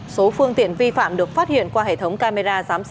số phương tiện vi phạm được phát hiện qua hệ thống cao điểm